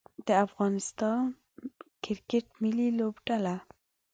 د افغانستان کرکټ ملي لوبډله